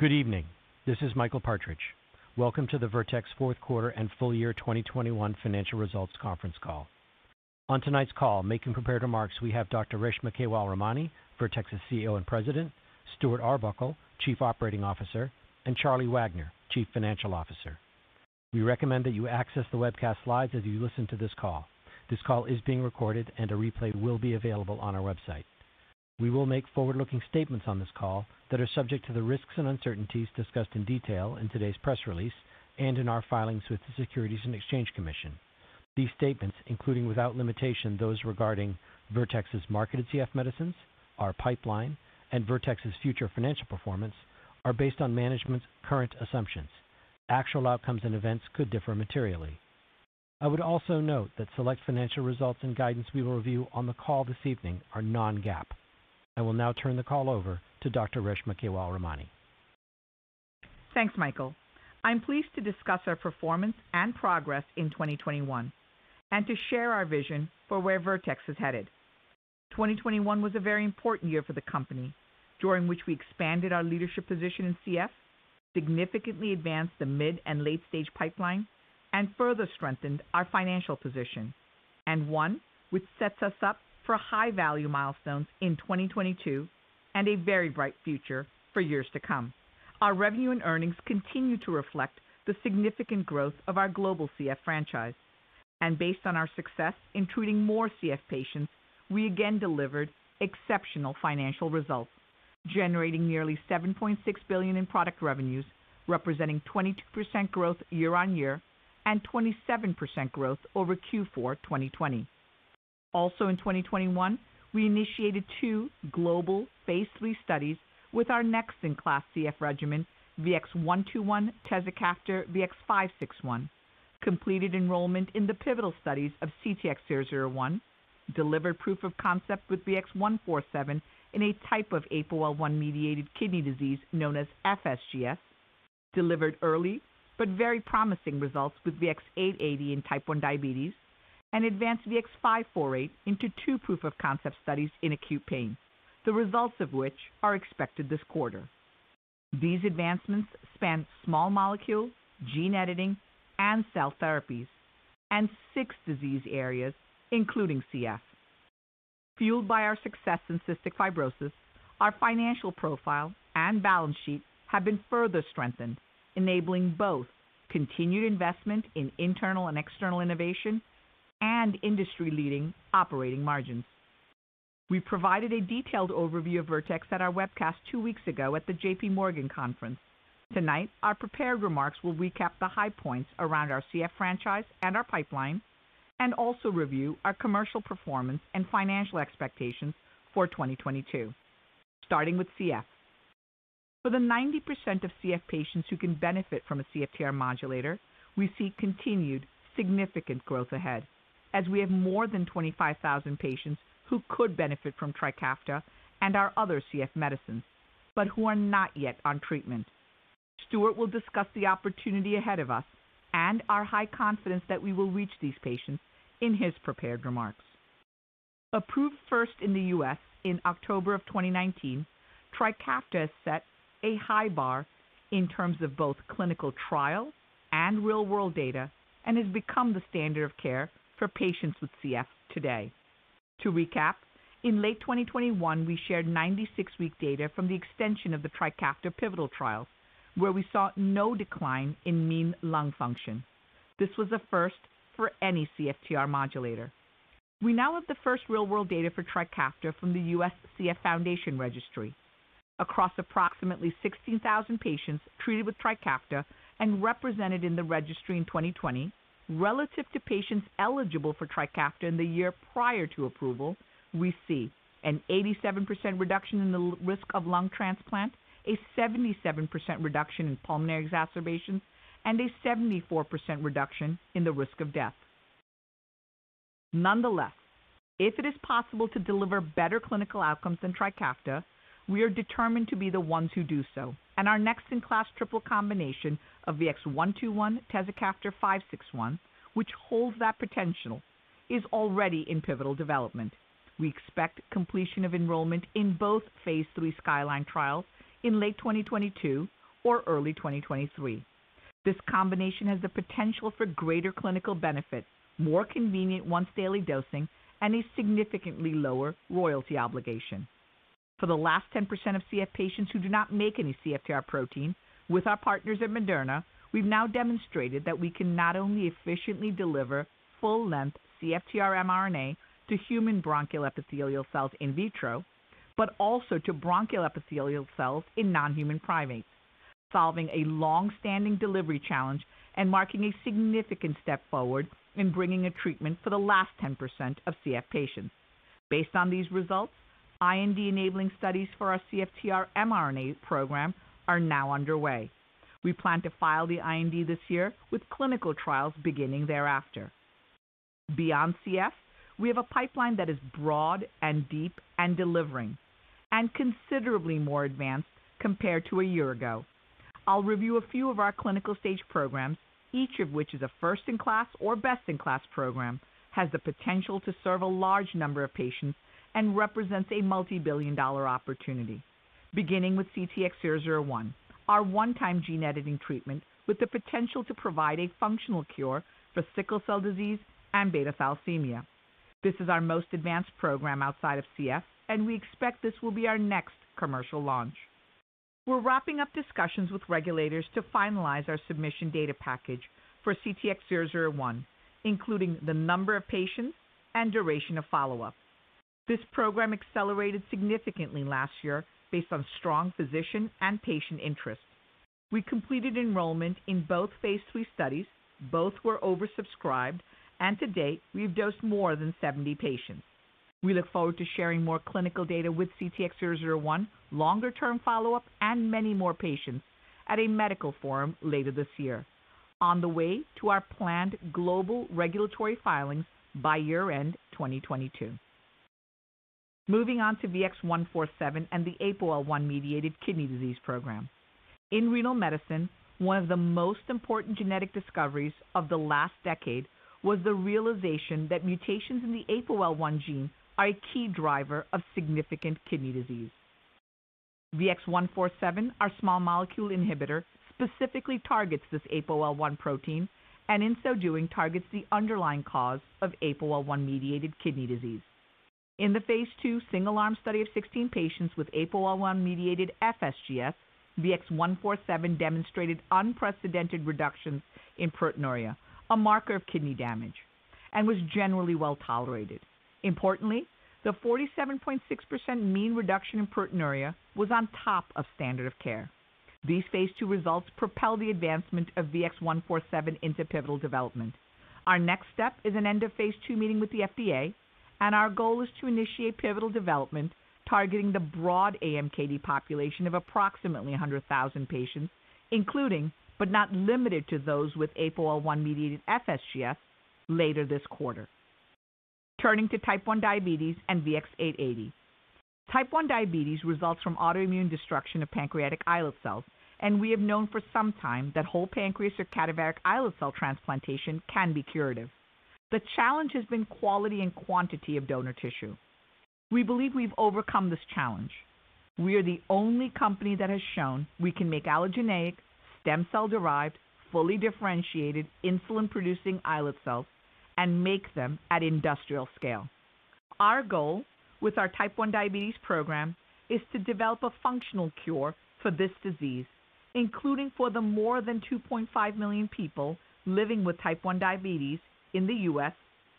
Good evening, this is Michael Partridge. Welcome to the Vertex Fourth Quarter and Full Year 2021 Financial Results Conference Call. On tonight's call making prepared remarks we have Dr. Reshma Kewalramani, Vertex's CEO and President, Stuart Arbuckle, Chief Operating Officer, and Charlie Wagner, Chief Financial Officer. We recommend that you access the webcast slides as you listen to this call. This call is being recorded and a replay will be available on our website. We will make forward-looking statements on this call that are subject to the risks and uncertainties discussed in detail in today's press release and in our filings with the Securities and Exchange Commission. These statements, including without limitation those regarding Vertex's marketed CF medicines, our pipeline, and Vertex's future financial performance are based on management's current assumptions. Actual outcomes and events could differ materially. I would also note that select financial results and guidance we will review on the call this evening are non-GAAP. I will now turn the call over to Dr. Reshma Kewalramani. Thanks, Michael. I'm pleased to discuss our performance and progress in 2021 and to share our vision for where Vertex is headed. 2021 was a very important year for the company during which we expanded our leadership position in CF, significantly advanced the mid and late-stage pipeline and further strengthened our financial position. One which sets us up for high value milestones in 2022 and a very bright future for years to come. Our revenue and earnings continue to reflect the significant growth of our global CF franchise. Based on our success in treating more CF patients, we again delivered exceptional financial results, generating nearly $7.6 billion in product revenues, representing 22% growth year-over-year and 27% growth over Q4 2020. Also in 2021 we initiated two global phase III studies with our next-in-class CF regimen VX-121 tezacaftor VX-561, completed enrollment in the pivotal studies of CTX001, delivered proof of concept with VX-147 in a type of APOL1 mediated kidney disease known as FSGS, delivered early but very promising results with VX-880 in type 1 diabetes and advanced VX-548 into two proof of concept studies in acute pain, the results of which are expected this quarter. These advancements span small molecule, gene editing and cell therapies and six disease areas, including CF. Fueled by our success in cystic fibrosis our financial profile and balance sheet have been further strengthened enabling both continued investment in internal and external innovation and industry leading operating margins. We provided a detailed overview of Vertex at our webcast two weeks ago at the J.P. Morgan conference. Tonight our prepared remarks will recap the high points around our CF franchise and our pipeline and also review our commercial performance and financial expectations for 2022. Starting with CF. For the 90% of CF patients who can benefit from a CFTR modulator we see continued significant growth ahead as we have more than 25,000 patients who could benefit from TRIKAFTA and our other CF medicines, but who are not yet on treatment. Stuart will discuss the opportunity ahead of us and our high confidence that we will reach these patients in his prepared remarks. Approved first in the U.S. in October 2019, TRIKAFTA has set a high bar in terms of both clinical trial and real world data and has become the standard of care for patients with CF today. To recap, in late 2021 we shared 96-week data from the extension of the TRIKAFTA pivotal trials where we saw no decline in mean lung function. This was a first for any CFTR modulator. We now have the first real world data for TRIKAFTA from the U.S. CF Foundation registry across approximately 16,000 patients treated with TRIKAFTA and represented in the registry in 2020 relative to patients eligible for TRIKAFTA in the year prior to approval, we see an 87% reduction in the risk of lung transplant, a 77% reduction in pulmonary exacerbations and a 74% reduction in the risk of death. Nonetheless, if it is possible to deliver better clinical outcomes than TRIKAFTA we are determined to be the ones who do so and our next in class triple combination of VX-121 tezacaftor VX-561 which holds that potential is already in pivotal development. We expect completion of enrollment in both phase III SKYLINE trials in late 2022 or early 2023. This combination has the potential for greater clinical benefit, more convenient once daily dosing and a significantly lower royalty obligation. For the last 10% of CF patients who do not make any CFTR protein with our partners at Moderna we've now demonstrated that we can not only efficiently deliver full length CFTR mRNA to human bronchial epithelial cells in vitro but also to bronchial epithelial cells in non-human primates, solving a long-standing delivery challenge and marking a significant step forward in bringing a treatment for the last 10% of CF patients. Based on these results, IND enabling studies for our CFTR mRNA program are now underway. We plan to file the IND this year with clinical trials beginning thereafter. Beyond CF, we have a pipeline that is broad and deep and delivering and considerably more advanced compared to a year ago. I'll review a few of our clinical-stage programs, each of which is a first-in-class or best-in-class program, has the potential to serve a large number of patients, and represents a multi-billion dollar opportunity. Beginning with CTX001, our one-time gene editing treatment with the potential to provide a functional cure for sickle cell disease and beta-thalassemia. This is our most advanced program outside of CF, and we expect this will be our next commercial launch. We're wrapping up discussions with regulators to finalize our submission data package for CTX001, including the number of patients and duration of follow-up. This program accelerated significantly last year based on strong physician and patient interest. We completed enrollment in both phase III studies. Both were oversubscribed, and to date, we've dosed more than 70 patients. We look forward to sharing more clinical data with CTX001, longer-term follow-up, and many more patients at a medical forum later this year on the way to our planned global regulatory filings by year-end 2022. Moving on to VX-147 and the APOL1-mediated kidney disease program. In renal medicine, one of the most important genetic discoveries of the last decade was the realization that mutations in the APOL1 gene are a key driver of significant kidney disease. VX-147, our small molecule inhibitor, specifically targets this APOL1 protein and in so doing targets the underlying cause of APOL1-mediated kidney disease. In the phase II single-arm study of 16 patients with APOL1-mediated FSGS, VX-147 demonstrated unprecedented reductions in proteinuria, a marker of kidney damage, and was generally well-tolerated. Importantly, the 47.6% mean reduction in proteinuria was on top of standard of care. These phase II results propel the advancement of VX-147 into pivotal development. Our next step is an end-of-phase II meeting with the FDA, and our goal is to initiate pivotal development targeting the broad AMKD population of approximately 100,000 patients, including but not limited to those with APOL1-mediated FSGS later this quarter. Turning to type 1 diabetes and VX-880. Type 1 diabetes results from autoimmune destruction of pancreatic islet cells, and we have known for some time that whole pancreas or cadaveric islet cell transplantation can be curative. The challenge has been quality and quantity of donor tissue. We believe we've overcome this challenge. We are the only company that has shown we can make allogeneic stem cell-derived, fully differentiated insulin-producing islet cells and make them at industrial scale. Our goal with our type 1 diabetes program is to develop a functional cure for this disease, including for the more than 2.5 million people living with type 1 diabetes in the U.S.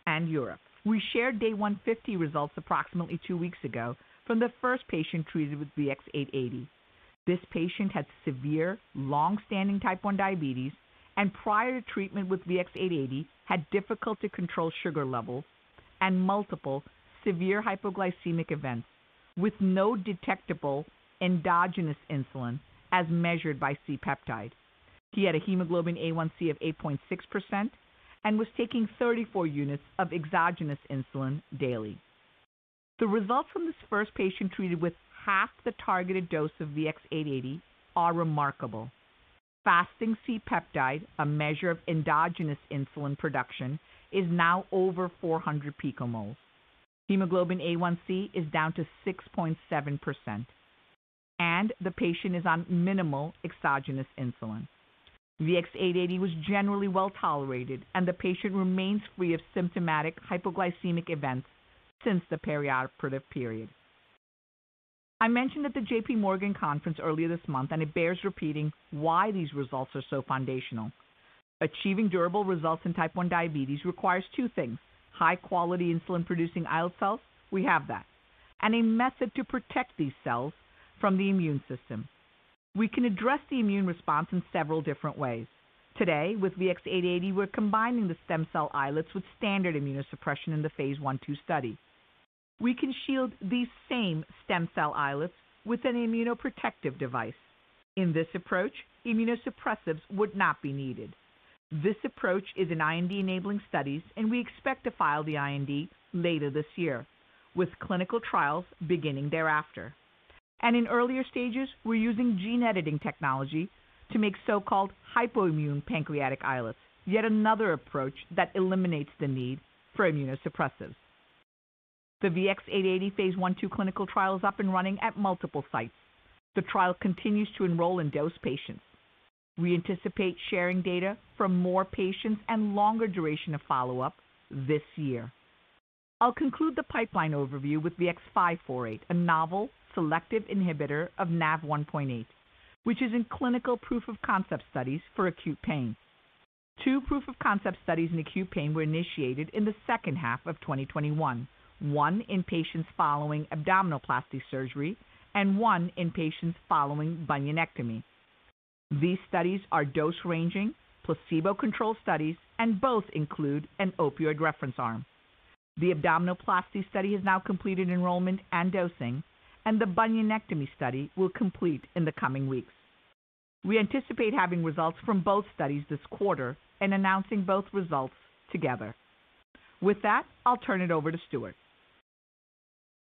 and Europe. We shared day 150 results approximately two weeks ago from the first patient treated with VX-880. This patient had severe long-standing type 1 diabetes and prior to treatment with VX-880 had difficult-to-control sugar levels and multiple severe hypoglycemic events with no detectable endogenous insulin as measured by C-peptide. He had a hemoglobin A1c of 8.6% and was taking 34 units of exogenous insulin daily. The results from this first patient treated with half the targeted dose of VX-880 are remarkable. Fasting C-peptide, a measure of endogenous insulin production, is now over 400 picomoles. Hemoglobin A1c is down to 6.7%, and the patient is on minimal exogenous insulin. VX-880 was generally well-tolerated, and the patient remains free of symptomatic hypoglycemic events since the perioperative period. I mentioned at the J.P. Morgan conference earlier this month, and it bears repeating why these results are so foundational. Achieving durable results in type 1 diabetes requires two things, high-quality insulin-producing islet cells, we have that, and a method to protect these cells from the immune system. We can address the immune response in several different ways. Today with VX-880, we're combining the stem cell islets with standard immunosuppression in the phase I/II study. We can shield these same stem cell islets with an immunoprotective device. In this approach, immunosuppressives would not be needed. This approach is in IND-enabling studies, and we expect to file the IND later this year with clinical trials beginning thereafter. In earlier stages, we're using gene editing technology to make so-called hypoimmune pancreatic islets, yet another approach that eliminates the need for immunosuppressives. The VX-880 phase I/II clinical trial is up and running at multiple sites. The trial continues to enroll and dose patients. We anticipate sharing data from more patients and longer duration of follow-up this year. I'll conclude the pipeline overview with VX-548, a novel selective inhibitor of NaV1.8, which is in clinical proof of concept studies for acute pain. Two proof of concept studies in acute pain were initiated in the second half of 2021, one in patients following abdominoplasty surgery and one in patients following bunionectomy. These studies are dose-ranging placebo-controlled studies, and both include an opioid reference arm. The abdominoplasty study has now completed enrollment and dosing, and the bunionectomy study will complete in the coming weeks. We anticipate having results from both studies this quarter and announcing both results together. With that, I'll turn it over to Stuart.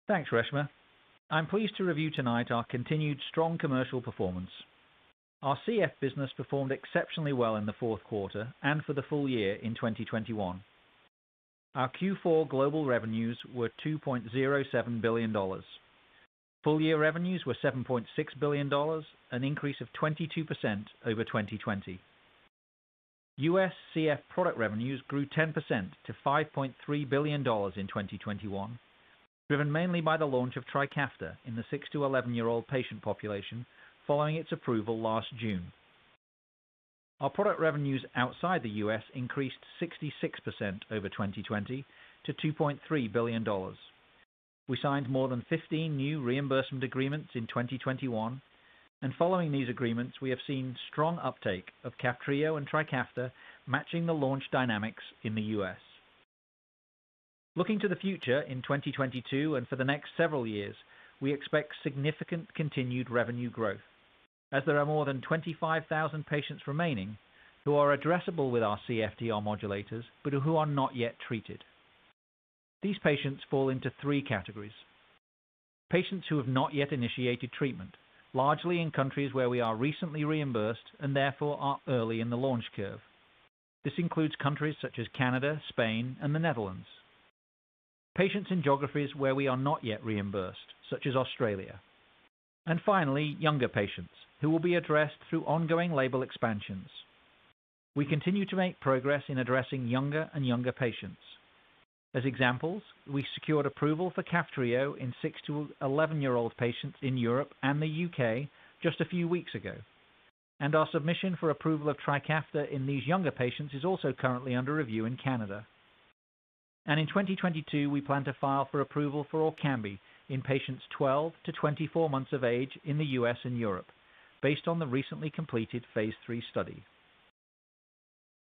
Thanks, Reshma. I'm pleased to review tonight our continued strong commercial performance. Our CF business performed exceptionally well in the fourth quarter and for the full year in 2021. Our Q4 global revenues were $2.07 billion. Full year revenues were $7.6 billion, an increase of 22% over 2020. U.S. CF product revenues grew 10% to $5.3 billion in 2021, driven mainly by the launch of TRIKAFTA in the six-to-11-year-old patient population following its approval last June. Our product revenues outside the U.S. increased 66% over 2020 to $2.3 billion. We signed more than 15 new reimbursement agreements in 2021, and following these agreements, we have seen strong uptake of KAFTRIO and TRIKAFTA matching the launch dynamics in the U.S. Looking to the future in 2022 and for the next several years, we expect significant continued revenue growth as there are more than 25,000 patients remaining who are addressable with our CFTR modulators, but who are not yet treated. These patients fall into three categories. Patients who have not yet initiated treatment, largely in countries where we are recently reimbursed and therefore are early in the launch curve. This includes countries such as Canada, Spain, and the Netherlands. Patients in geographies where we are not yet reimbursed, such as Australia. Finally, younger patients who will be addressed through ongoing label expansions. We continue to make progress in addressing younger and younger patients. As examples, we secured approval for KAFTRIO in six-to-11-year-old patients in Europe and the U.K. just a few weeks ago. Our submission for approval of TRIKAFTA in these younger patients is also currently under review in Canada. In 2022, we plan to file for approval for ORKAMBI in patients 12 to 24 months of age in the U.S. and Europe based on the recently completed phase III study.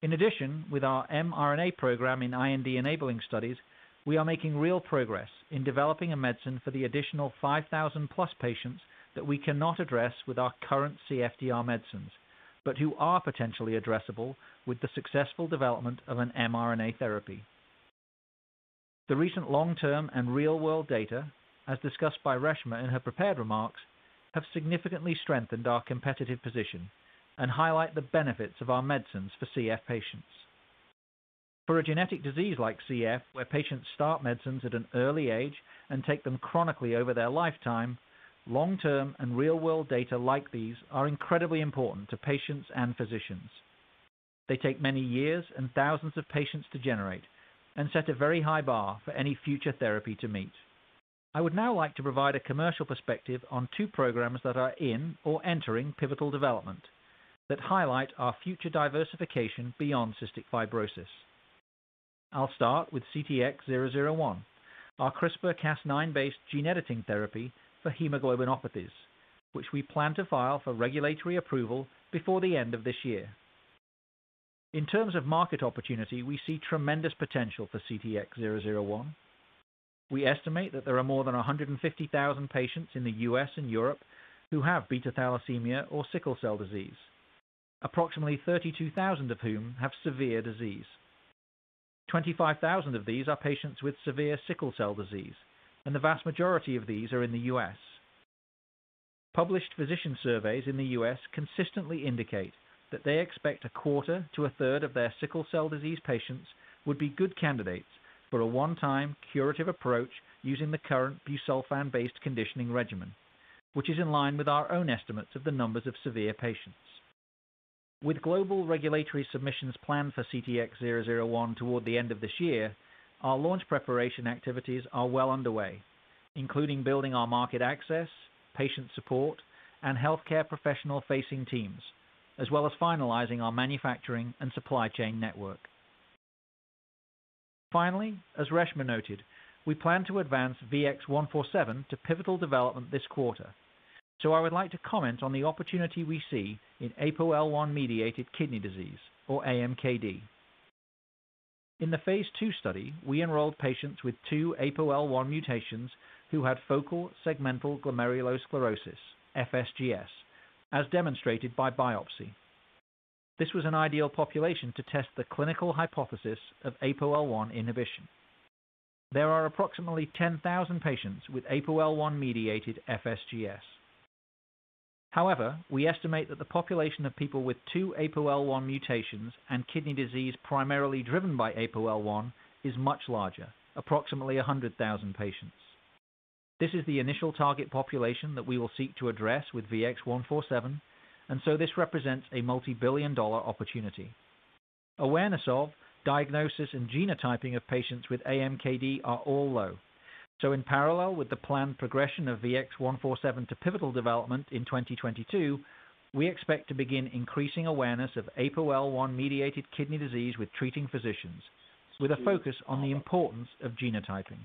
In addition, with our mRNA program in IND-enabling studies, we are making real progress in developing a medicine for the additional 5,000 plus patients that we cannot address with our current CFTR medicines, but who are potentially addressable with the successful development of an mRNA therapy. The recent long-term and real-world data, as discussed by Reshma in her prepared remarks, have significantly strengthened our competitive position and highlight the benefits of our medicines for CF patients. For a genetic disease like CF, where patients start medicines at an early age and take them chronically over their lifetime, long-term and real-world data like these are incredibly important to patients and physicians. They take many years and thousands of patients to generate and set a very high bar for any future therapy to meet. I would now like to provide a commercial perspective on two programs that are in or entering pivotal development that highlight our future diversification beyond cystic fibrosis. I'll start with CTX001, our CRISPR-Cas9-based gene editing therapy for hemoglobinopathies, which we plan to file for regulatory approval before the end of this year. In terms of market opportunity, we see tremendous potential for CTX001. We estimate that there are more than 150,000 patients in the U.S. and Europe who have beta-thalassemia or sickle cell disease, approximately 32,000 of whom have severe disease. 25,000 of these are patients with severe sickle cell disease, and the vast majority of these are in the U.S. Published physician surveys in the U.S. consistently indicate that they expect a quarter to a third of their sickle cell disease patients would be good candidates for a one-time curative approach using the current busulfan-based conditioning regimen, which is in line with our own estimates of the numbers of severe patients. With global regulatory submissions planned for CTX001 toward the end of this year, our launch preparation activities are well underway, including building our market access, patient support, and healthcare professional facing teams, as well as finalizing our manufacturing and supply chain network. Finally, as Reshma noted, we plan to advance VX-147 to pivotal development this quarter. I would like to comment on the opportunity we see in APOL1-mediated kidney disease or AMKD. In the phase II study, we enrolled patients with two APOL1 mutations who had focal segmental glomerulosclerosis, FSGS, as demonstrated by biopsy. This was an ideal population to test the clinical hypothesis of APOL1 inhibition. There are approximately 10,000 patients with APOL1-mediated FSGS. However, we estimate that the population of people with two APOL1 mutations and kidney disease primarily driven by APOL1 is much larger, approximately 100,000 patients. This is the initial target population that we will seek to address with VX-147, and this represents a multi-billion-dollar opportunity. Awareness of diagnosis and genotyping of patients with AMKD are all low. In parallel with the planned progression of VX-147 to pivotal development in 2022, we expect to begin increasing awareness of APOL1-mediated kidney disease with treating physicians with a focus on the importance of genotyping.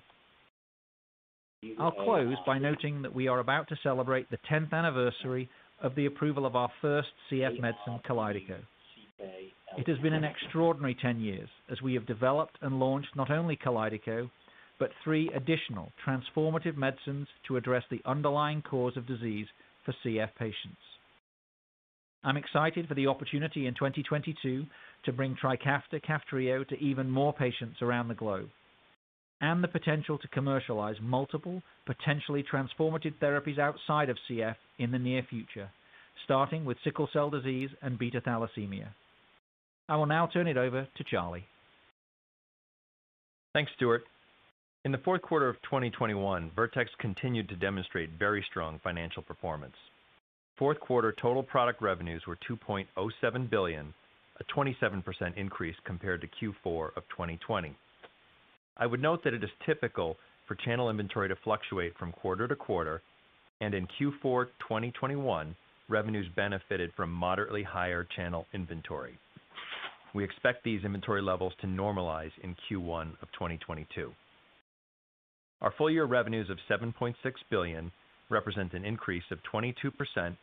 I'll close by noting that we are about to celebrate the 10th anniversary of the approval of our first CF medicine, KALYDECO. It has been an extraordinary 10 years as we have developed and launched not only KALYDECO, but three additional transformative medicines to address the underlying cause of disease for CF patients. I'm excited for the opportunity in 2022 to bring TRIKAFTA/KAFTRIO to even more patients around the globe and the potential to commercialize multiple potentially transformative therapies outside of CF in the near future, starting with sickle cell disease and beta thalassemia. I will now turn it over to Charlie. Thanks, Stuart. In the fourth quarter of 2021, Vertex continued to demonstrate very strong financial performance. Fourth quarter total product revenues were $2.07 billion, a 27% increase compared to Q4 of 2020. I would note that it is typical for channel inventory to fluctuate from quarter to quarter, and in Q4 2021 revenues benefited from moderately higher channel inventory. We expect these inventory levels to normalize in Q1 of 2022. Our full year revenues of $7.6 billion represent an increase of 22%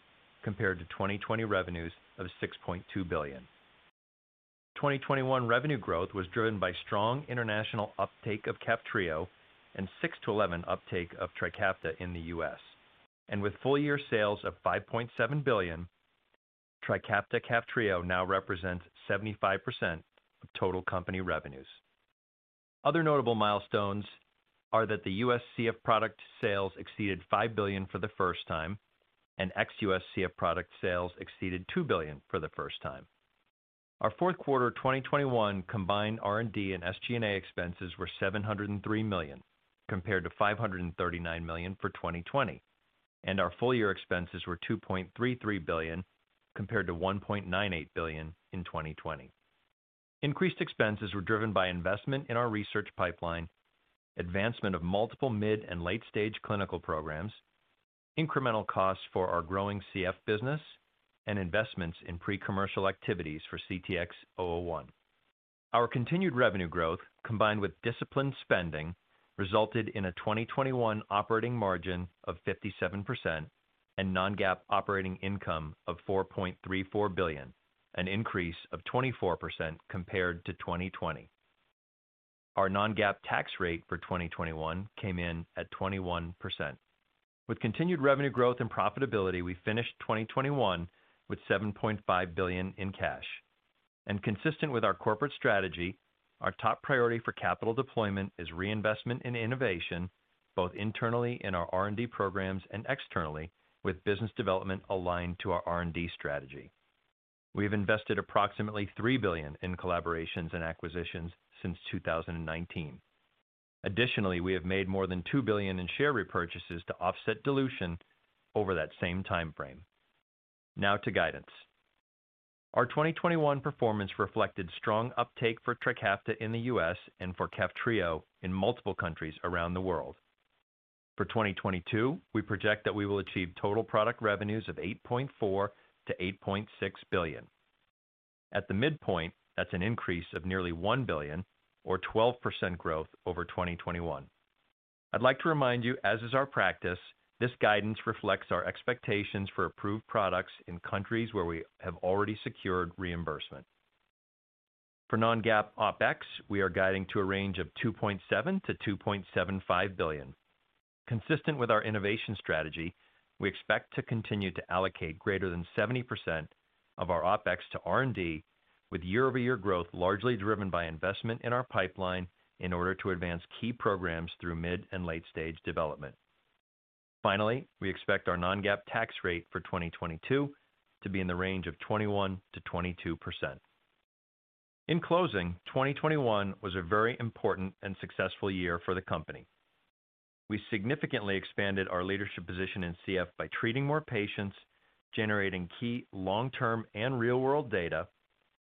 compared to 2020 revenues of $6.2 billion. 2021 revenue growth was driven by strong international uptake of KAFTRIO and 6-11 uptake of TRIKAFTA in the U.S. With full year sales of $5.7 billion, TRIKAFTA/KAFTRIO now represents 75% of total company revenues. Other notable milestones are that the U.S. CF product sales exceeded $5 billion for the first time, and ex-U.S. CF product sales exceeded $2 billion for the first time. Our fourth quarter 2021 combined R&D and SG&A expenses were $703 million, compared to $539 million for 2020, and our full year expenses were $2.33 billion, compared to $1.98 billion in 2020. Increased expenses were driven by investment in our research pipeline, advancement of multiple mid- and late-stage clinical programs, incremental costs for our growing CF business, and investments in pre-commercial activities for CTX001. Our continued revenue growth, combined with disciplined spending, resulted in a 2021 operating margin of 57% and non-GAAP operating income of $4.34 billion, an increase of 24% compared to 2020. Our non-GAAP tax rate for 2021 came in at 21%. With continued revenue growth and profitability, we finished 2021 with $7.5 billion in cash. Consistent with our corporate strategy, our top priority for capital deployment is reinvestment in innovation, both internally in our R&D programs and externally with business development aligned to our R&D strategy. We have invested approximately $3 billion in collaborations and acquisitions since 2019. Additionally, we have made more than $2 billion in share repurchases to offset dilution over that same time frame. Now to guidance. Our 2021 performance reflected strong uptake for TRIKAFTA in the U.S. and for KAFTRIO in multiple countries around the world. For 2022, we project that we will achieve total product revenues of $8.4 billion-$8.6 billion. At the midpoint, that's an increase of nearly $1 billion or 12% growth over 2021. I'd like to remind you, as is our practice, this guidance reflects our expectations for approved products in countries where we have already secured reimbursement. For non-GAAP OpEx, we are guiding to a range of $2.7 billion-$2.75 billion. Consistent with our innovation strategy, we expect to continue to allocate greater than 70% of our OpEx to R&D with year-over-year growth largely driven by investment in our pipeline in order to advance key programs through mid and late-stage development. Finally, we expect our non-GAAP tax rate for 2022 to be in the range of 21%-22%. In closing, 2021 was a very important and successful year for the company. We significantly expanded our leadership position in CF by treating more patients, generating key long-term and real-world data,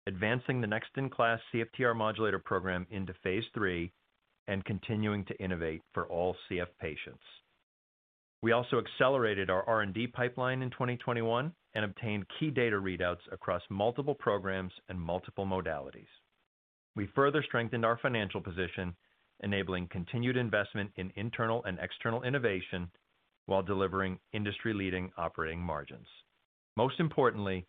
advancing the next-in-class CFTR modulator program into phase III, and continuing to innovate for all CF patients. We also accelerated our R&D pipeline in 2021 and obtained key data readouts across multiple programs and multiple modalities. We further strengthened our financial position, enabling continued investment in internal and external innovation while delivering industry-leading operating margins. Most importantly,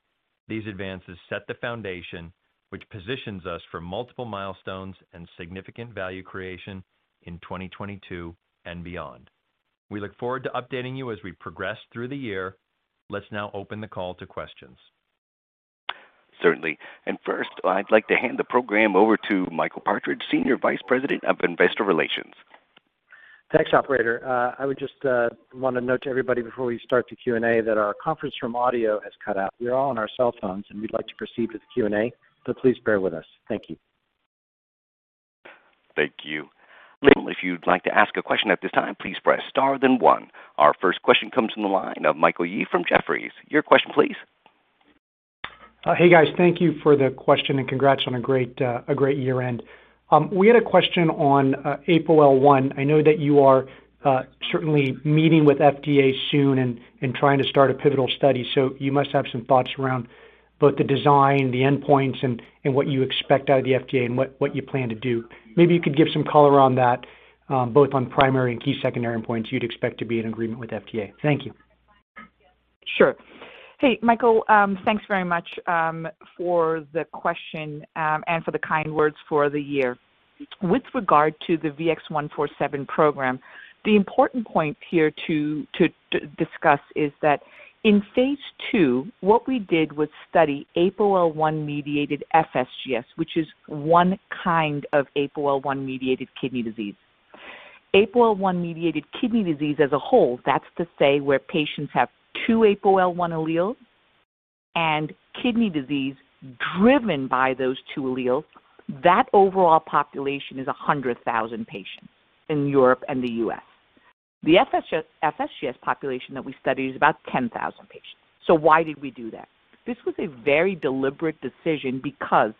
these advances set the foundation which positions us for multiple milestones and significant value creation in 2022 and beyond. We look forward to updating you as we progress through the year. Let's now open the call to questions. Certainly. First, I'd like to hand the program over to Michael Partridge, Senior Vice President of Investor Relations. Thanks, operator. I would just wanna note to everybody before we start the Q&A that our conference room audio has cut out. We're all on our cell phones, and we'd like to proceed with the Q&A, so please bear with us. Thank you. Thank you. If you'd like to ask a question at this time, please press star then one. Our first question comes from the line of Michael Yee from Jefferies. Your question please. Hey, guys, thank you for the question, and congrats on a great year-end. We had a question on APOL1. I know that you are certainly meeting with FDA soon and trying to start a pivotal study. You must have some thoughts around both the design, the endpoints and what you expect out of the FDA and what you plan to do. Maybe you could give some color on that, both on primary and key secondary endpoints you'd expect to be in agreement with FDA. Thank you. Hey Michael, thanks very much for the question and for the kind words for the year. With regard to the VX-147 program, the important point here to discuss is that in phase II, what we did was study APOL1-mediated FSGS, which is one kind of APOL1-mediated kidney disease. APOL1-mediated kidney disease as a whole, that's to say, where patients have two APOL1 alleles and kidney disease driven by those two alleles, that overall population is 100,000 patients in Europe and the U.S. The FSGS population that we study is about 10,000 patients. Why did we do that? This was a very deliberate decision because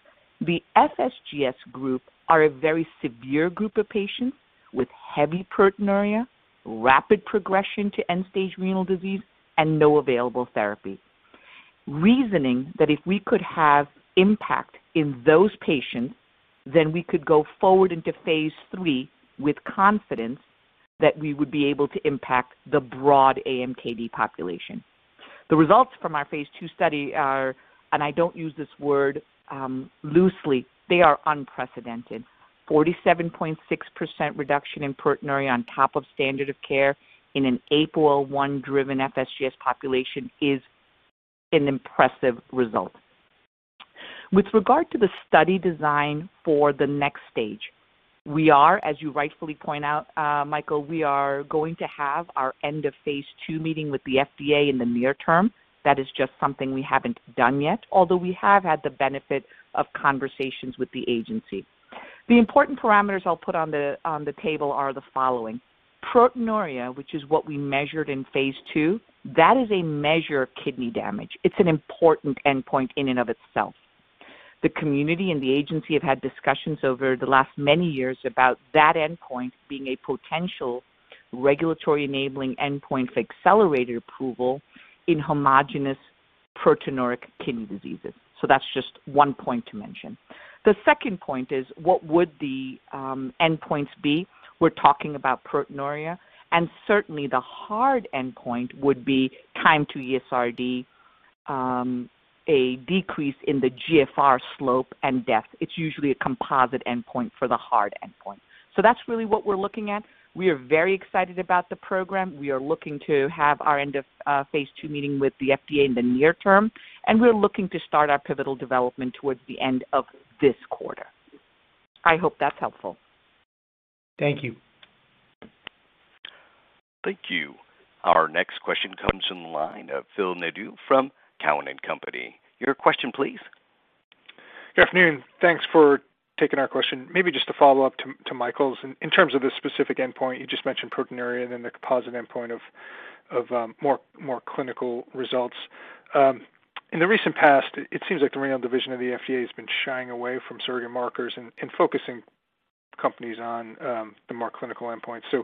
the FSGS group are a very severe group of patients with heavy proteinuria, rapid progression to end-stage renal disease, and no available therapy. Reasoning that if we could have impact in those patients, then we could go forward into phase III with confidence that we would be able to impact the broad AMKD population. The results from our phase II study are, and I don't use this word loosely, they are unprecedented. 47.6% reduction in proteinuria on top of standard of care in an APOL1-driven FSGS population is an impressive result. With regard to the study design for the next stage, we are, as you rightfully point out, Michael, we are going to have our end of phase II meeting with the FDA in the near term. That is just something we haven't done yet, although we have had the benefit of conversations with the agency. The important parameters I'll put on the table are the following. Proteinuria, which is what we measured in phase II, that is a measure of kidney damage. It's an important endpoint in and of itself. The community and the agency have had discussions over the last many years about that endpoint being a potential regulatory enabling endpoint for accelerated approval in homogeneous proteinuria kidney diseases. That's just one point to mention. The second point is what would the endpoints be? We're talking about proteinuria, and certainly, the hard endpoint would be time to ESRD, a decrease in the GFR slope, and death. It's usually a composite endpoint for the hard endpoint. That's really what we're looking at. We are very excited about the program. We are looking to have our end of phase II meeting with the FDA in the near term, and we're looking to start our pivotal development towards the end of this quarter. I hope that's helpful. Thank you. Thank you. Our next question comes from the line of Phil Nadeau from Cowen and Company. Your question, please. Good afternoon. Thanks for taking our question. Maybe just a follow-up to Michael's. In terms of the specific endpoint, you just mentioned proteinuria and then the composite endpoint of more clinical results. In the recent past, it seems like the renal division of the FDA has been shying away from surrogate markers and focusing companies on the more clinical endpoints. Can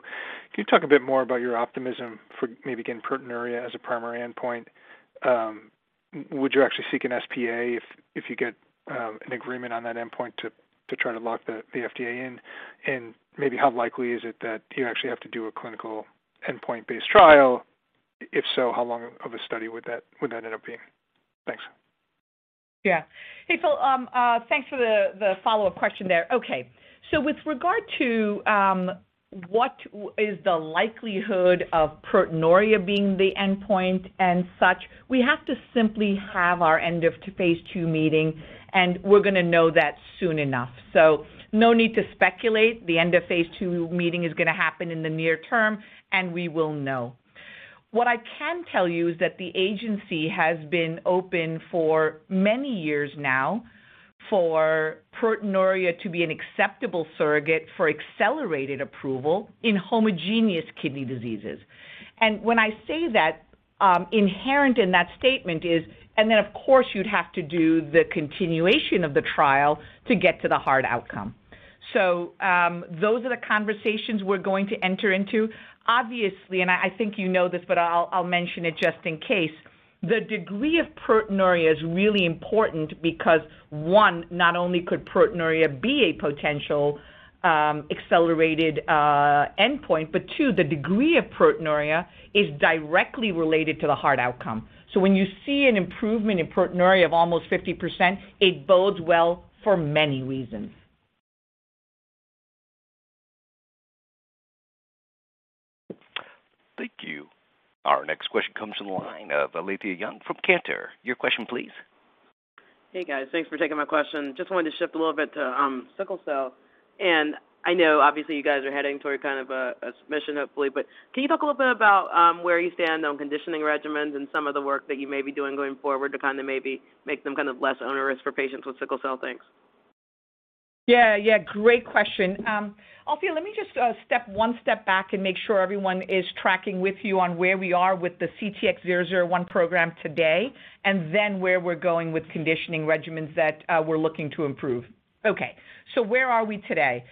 you talk a bit more about your optimism for maybe getting proteinuria as a primary endpoint? Would you actually seek an SPA if you get an agreement on that endpoint to try to lock the FDA in? And maybe how likely is it that you actually have to do a clinical endpoint-based trial? If so, how long of a study would that end up being? Thanks. Hey, Phil, thanks for the follow-up question there. Okay. With regard to what is the likelihood of proteinuria being the endpoint and such, we have to simply have our end-of-phase II meeting, and we're gonna know that soon enough. No need to speculate. The end-of-phase II meeting is gonna happen in the near term, and we will know. What I can tell you is that the agency has been open for many years now for proteinuria to be an acceptable surrogate for accelerated approval in homozygous kidney diseases. When I say that, inherent in that statement is and then, of course, you'd have to do the continuation of the trial to get to the hard outcome. Those are the conversations we're going to enter into. Obviously, I think you know this, but I'll mention it just in case. The degree of proteinuria is really important because one, not only could proteinuria be a potential accelerated endpoint, but two, the degree of proteinuria is directly related to the hard outcome. So when you see an improvement in proteinuria of almost 50%, it bodes well for many reasons. Thank you. Our next question comes from the line of Alethia Young from Cantor. Your question, please. Hey, guys. Thanks for taking my question. Just wanted to shift a little bit to sickle cell. I know obviously you guys are heading toward kind of a submission, hopefully. But can you talk a little bit about where you stand on conditioning regimens and some of the work that you may be doing going forward to kind of maybe make them kind of less onerous for patients with sickle cell? Thanks. Great question. Alethia, let me just step back and make sure everyone is tracking with you on where we are with the CTX001 program today, and then where we're going with conditioning regimens that we're looking to improve. Okay. So where are we today?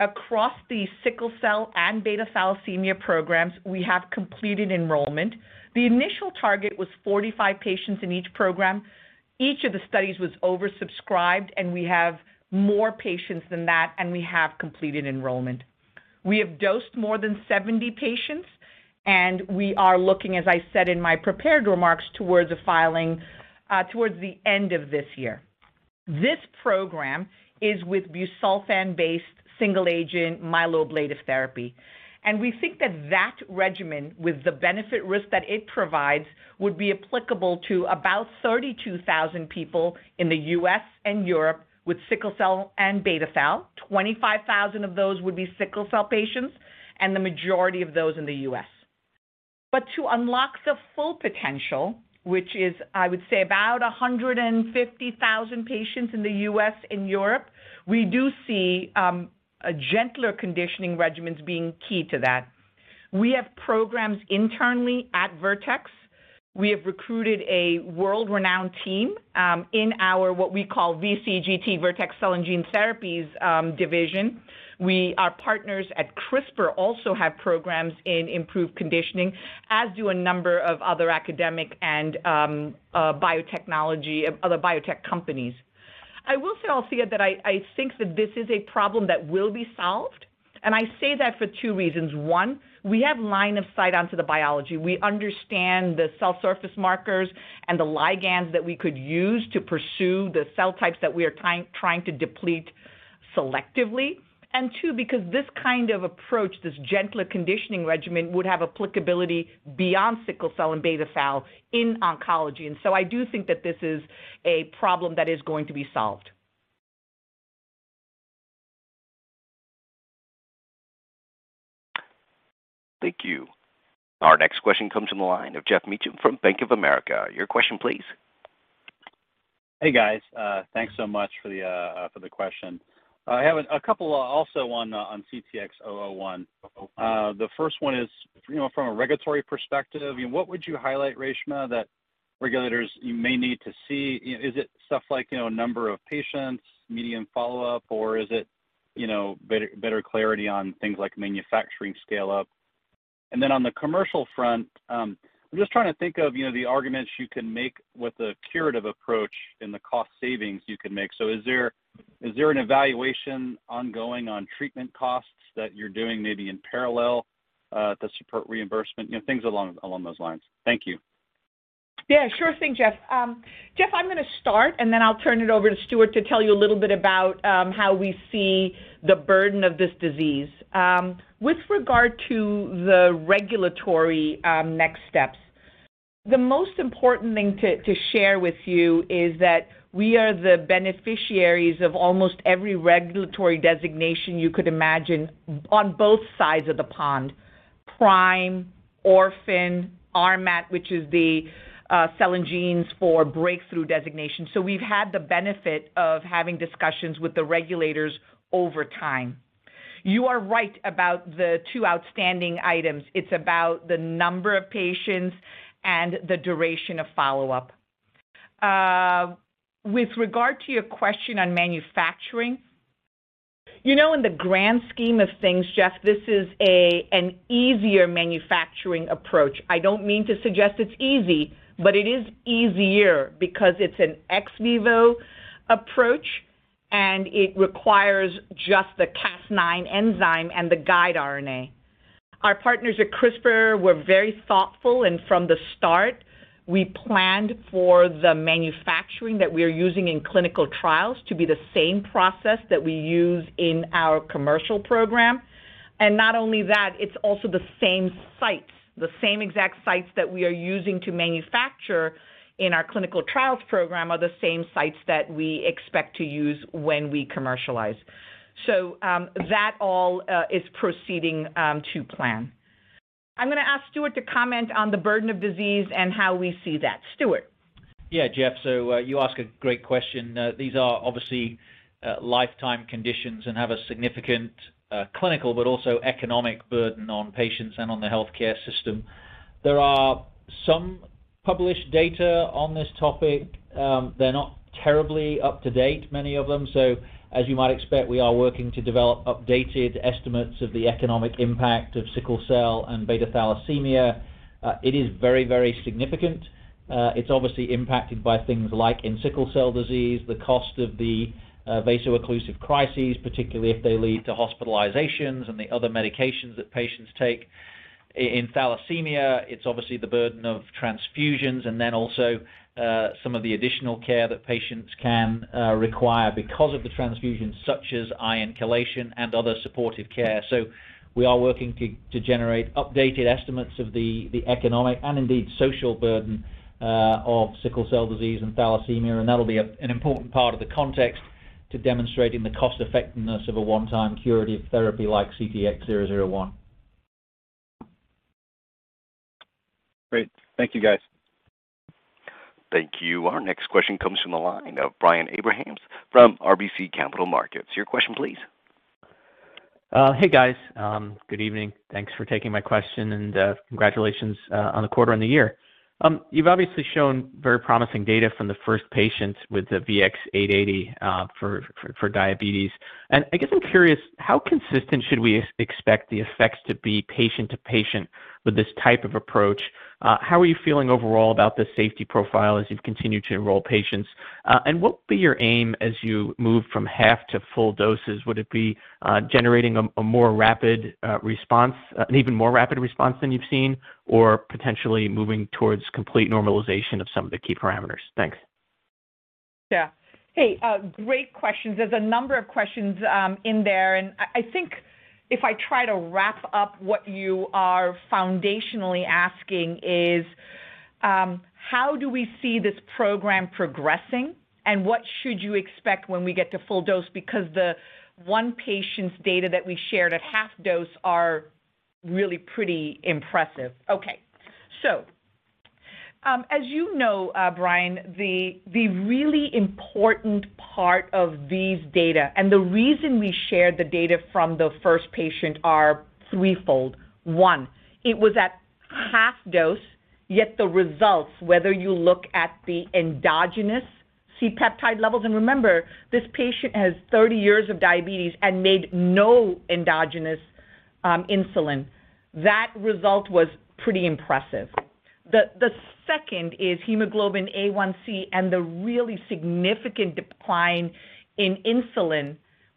Across the sickle cell and beta-thalassemia programs, we have completed enrollment. The initial target was 45 patients in each program. Each of the studies was oversubscribed, and we have more patients than that, and we have completed enrollment. We have dosed more than 70 patients, and we are looking, as I said in my prepared remarks, towards a filing towards the end of this year. This program is with busulfan-based single agent myeloablative therapy. We think that regimen with the benefit risk that it provides would be applicable to about 32,000 people in the U.S. and Europe with sickle cell and beta thal. 25,000 of those would be sickle cell patients and the majority of those in the U.S. To unlock the full potential, which is, I would say about 150,000 patients in the U.S. and Europe, we do see a gentler conditioning regimens being key to that. We have programs internally at Vertex. We have recruited a world-renowned team in our whppFEV1at we call VCGT, Vertex Cell and Genetic Therapies, division. We are partners at CRISPR, also have programs in improved conditioning, as do a number of other academic and biotechnology and other biotech companies. I will say, Alethia, that I think that this is a problem that will be solved, and I say that for two reasons. One, we have line of sight onto the biology. We understand the cell surface markers and the ligands that we could use to pursue the cell types that we are trying to deplete selectively. Two, because this kind of approach, this gentler conditioning regimen, would have applicability beyond sickle cell and beta thal in oncology. I do think that this is a problem that is going to be solved. Thank you. Our next question comes from the line of Geoff Meacham from Bank of America. Your question, please. Hey, guys. Thanks so much for the question. I have a couple also on CTX001. The first one is, you know, from a regulatory perspective, what would you highlight, Reshma, that regulators may need to see? Is it stuff like, you know, number of patients, median follow-up, or is it better clarity on things like manufacturing scale up? On the commercial front, I'm just trying to think of, you know, the arguments you can make with a curative approach and the cost savings you can make. Is there an evaluation ongoing on treatment costs that you're doing maybe in parallel to support reimbursement? You know, things along those lines. Thank you. sure thing Geoff. Geoff, I'm gonna start, and then I'll turn it over to Stuart to tell you a little bit about how we see the burden of this disease. With regard to the regulatory next steps, the most important thing to share with you is that we are the beneficiaries of almost every regulatory designation you could imagine on both sides of the pond, PRIME, Orphan, RMAT, which is the cell and gene for breakthrough designation. We've had the benefit of having discussions with the regulators over time. You are right about the two outstanding items. It's about the number of patients and the duration of follow-up. With regard to your question on manufacturing, you know, in the grand scheme of things, Geoff, this is an easier manufacturing approach. I don't mean to suggest it's easy, but it is easier because it's an ex vivo approach, and it requires just the Cas9 enzyme and the guide RNA. Our partners at CRISPR were very thoughtful, and from the start, we planned for the manufacturing that we're using in clinical trials to be the same process that we use in our commercial program. Not only that, it's also the same sites, the same exact sites that we are using to manufacture in our clinical trials program are the same sites that we expect to use when we commercialize. That all is proceeding to plan. I'm going to ask Stuart to comment on the burden of disease and how we see that. Stuart. Yeah, Geoff, you ask a great question. These are obviously lifetime conditions and have a significant clinical but also economic burden on patients and on the healthcare system. There are some published data on this topic. They're not terribly up to date, many of them. As you might expect, we are working to develop updated estimates of the economic impact of sickle cell and beta-thalassemia. It is very, very significant, it's obviously impacted by things like in sickle cell disease, the cost of the vaso-occlusive crises, particularly if they lead to hospitalizations and the other medications that patients take. In thalassemia, it's obviously the burden of transfusions and then also some of the additional care that patients can require because of the transfusion, such as iron chelation and other supportive care. We are working to generate updated estimates of the economic and indeed social burden of sickle cell disease and thalassemia, and that'll be an important part of the context to demonstrating the cost-effectiveness of a one-time curative therapy like CTX001. Great. Thank you, guys. Thank you. Our next question comes from the line of Brian Abrahams from RBC Capital Markets. Your question, please. Hey guys. Good evening. Thanks for taking my question and, congratulations, on the quarter and the year. You've obviously shown very promising data from the first patients with the VX-880, for diabetes. I guess I'm curious how consistent should we expect the effects to be patient to patient with this type of approach? How are you feeling overall about the safety profile as you've continued to enroll patients? And what will be your aim as you move from half to full doses? Would it be generating a more rapid response, an even more rapid response than you've seen? Or potentially moving towards complete normalization of some of the key parameters? Thanks. Hey, great questions. There's a number of questions in there, and I think if I try to wrap up what you are foundationally asking is how do we see this program progressing? What should you expect when we get to full dose? Because the one patient's data that we shared at half dose are really pretty impressive. Okay. As you know, Brian, the really important part of these data and the reason we shared the data from the first patient are threefold. One, it was at half dose, yet the results, whether you look at the endogenous C-peptide levels, and remember, this patient has 30 years of diabetes and made no endogenous insulin. That result was pretty impressive. The second is hemoglobin A1c and the really significant decline in insulin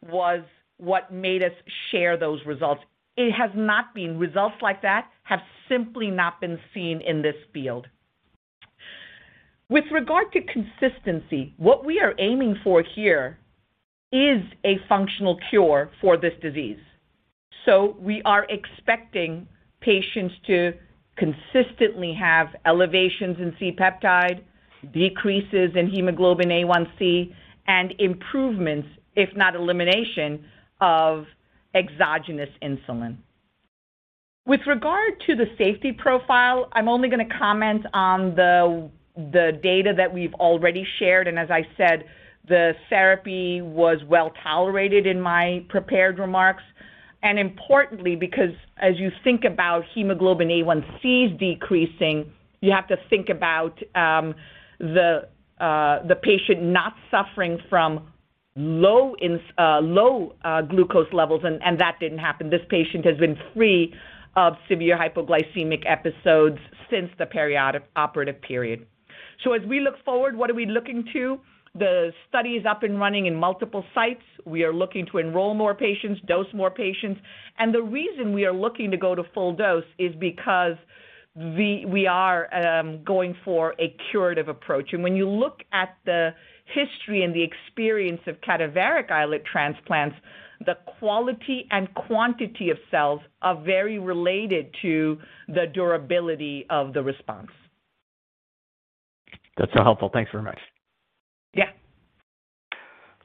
was what made us share those results. Results like that have simply not been seen in this field. With regard to consistency, what we are aiming for here is a functional cure for this disease. We are expecting patients to consistently have elevations in C-peptide, decreases in hemoglobin A1c, and improvements, if not elimination, of exogenous insulin. With regard to the safety profile, I'm only gonna comment on the data that we've already shared, and as I said, the therapy was well-tolerated in my prepared remarks. Importantly, because as you think about hemoglobin A1c's decreasing, you have to think about the patient not suffering from low glucose levels, and that didn't happen. This patient has been free of severe hypoglycemic episodes since the post-operative period. As we look forward, what are we looking to? The study is up and running in multiple sites. We are looking to enroll more patients, dose more patients. The reason we are looking to go to full dose is because we are going for a curative approach. When you look at the history and the experience of cadaveric islet transplants, the quality and quantity of cells are very related to the durability of the response. That's so helpful. Thanks very much. Yeah.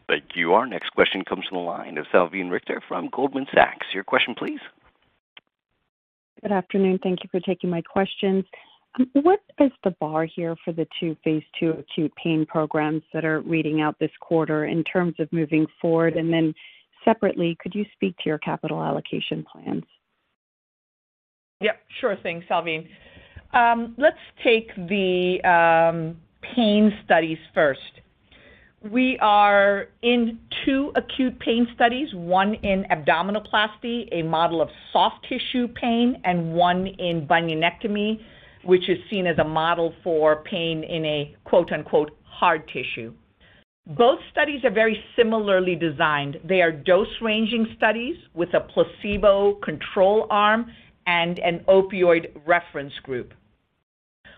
Thank you. Our next question comes from the line of Salveen Richter from Goldman Sachs. Your question, please. Good afternoon. Thank you for taking my questions. What is the bar here for the two phase II acute pain programs that are reading out this quarter in terms of moving forward? And then separately, could you speak to your capital allocation plans? Sure thing, Salveen. Let's take the pain studies first. We are in two acute pain studies, one in abdominoplasty, a model of soft tissue pain, and one in bunionectomy, which is seen as a model for pain in a quote-unquote "hard tissue." Both studies are very similarly designed. They are dose-ranging studies with a placebo control arm and an opioid reference group.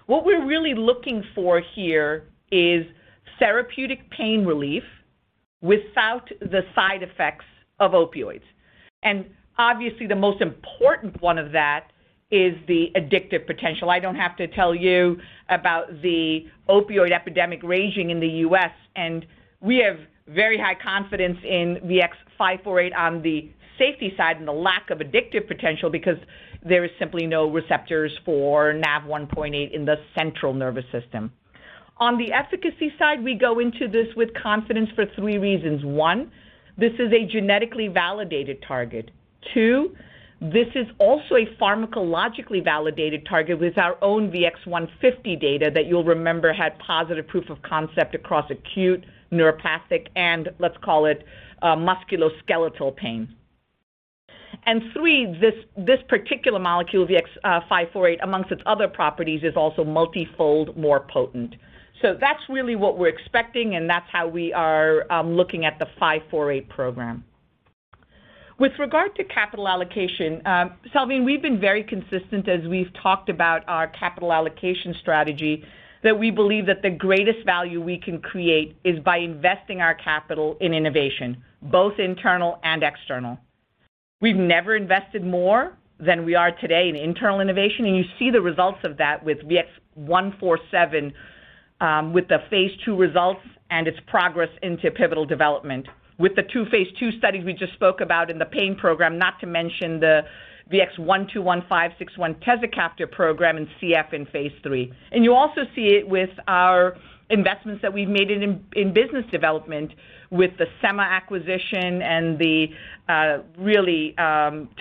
What we're really looking for here is therapeutic pain relief without the side effects of opioids. Obviously, the most important one of that is the addictive potential. I don't have to tell you about the opioid epidemic raging in the U.S., and we have very high confidence in VX-548 on the safety side and the lack of addictive potential because there is simply no receptors for NaV1.8 in the central nervous system. On the efficacy side, we go into this with confidence for three reasons. One, this is a genetically validated target. Two, this is also a pharmacologically validated target with our own VX-150 data that you'll remember had positive proof of concept across acute, neuropathic, and let's call it, musculoskeletal pain. And three, this particular molecule, VX-548, amongst its other properties, is also multifold more potent. So that's really what we're expecting, and that's how we are looking at the 548 program. With regard to capital allocation, Salveen, we've been very consistent as we've talked about our capital allocation strategy, that we believe that the greatest value we can create is by investing our capital in innovation, both internal and external. We've never invested more than we are today in internal innovation, and you see the results of that with VX-147, with the phase II results and its progress into pivotal development. With the two phase II studies we just spoke about in the pain program, not to mention the VX-121 561 tezacaftor program in CF in phase III. You also see it with our investments that we've made in business development with the Semma acquisition and the really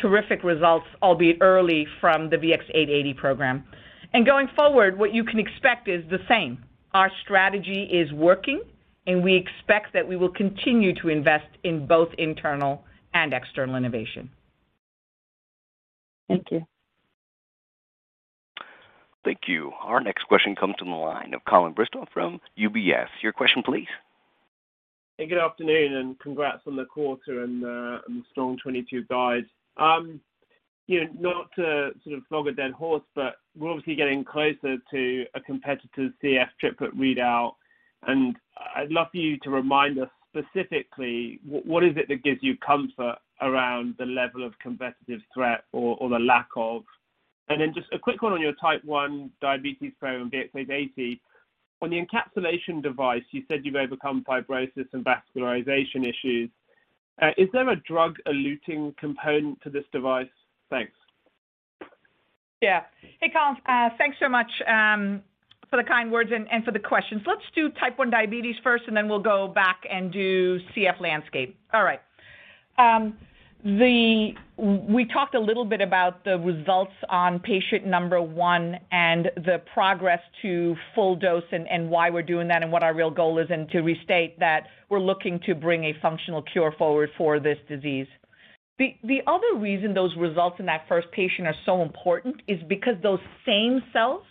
terrific results, albeit early from the VX-880 program. Going forward, what you can expect is the same. Our strategy is working, and we expect that we will continue to invest in both internal and external innovation. Thank you. Thank you. Our next question comes from the line of Colin Bristow from UBS. Your question, please. Hey, good afternoon and congrats on the quarter and the strong 2022 guide. You know, not to sort of flog a dead horse, but we're obviously getting closer to a competitive CF triplet readout, and I'd love for you to remind us specifically what is it that gives you comfort around the level of competitive threat or the lack of. Then just a quick one on your type 1 diabetes program, VX-880. On the encapsulation device, you said you've overcome fibrosis and vascularization issues. Is there a drug eluting component to this device? Thanks. Hey, Colin, thanks so much for the kind words and for the questions. Let's do type 1 diabetes first, and then we'll go back and do CF landscape. All right. We talked a little bit about the results on patient number 1 and the progress to full dose and why we're doing that and what our real goal is, and to restate that we're looking to bring a functional cure forward for this disease. The other reason those results in that patient are so important is because those same cells,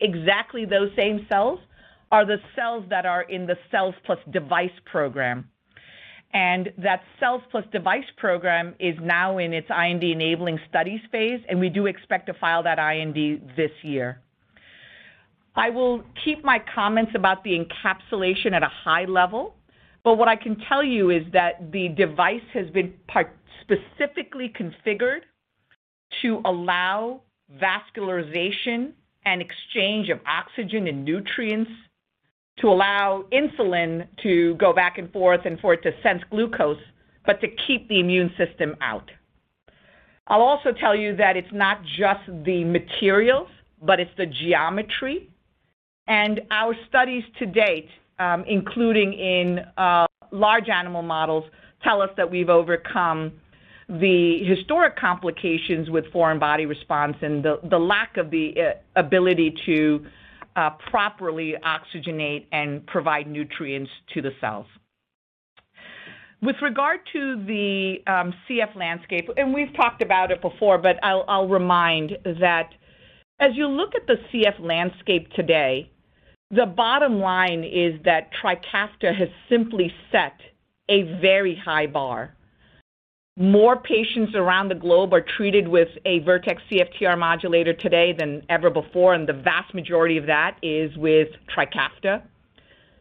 exactly those same cells are the cells that are in the cells plus device program. That cells plus device program is now in its IND-enabling study phase, and we do expect to file that IND this year. I will keep my comments about the encapsulation at a high level, but what I can tell you is that the device has been specifically configured to allow vascularization and exchange of oxygen and nutrients, to allow insulin to go back and forth and for it to sense glucose, but to keep the immune system out. I'll also tell you that it's not just the materials, but it's the geometry. Our studies to date, including in large animal models, tell us that we've overcome the historic complications with foreign body response and the lack of the ability to properly oxygenate and provide nutrients to the cells. With regard to the CF landscape, we've talked about it before, but I'll remind that as you look at the CF landscape today, the bottom line is that TRIKAFTA has simply set a very high bar. More patients around the globe are treated with a Vertex CFTR modulator today than ever before, and the vast majority of that is with TRIKAFTA.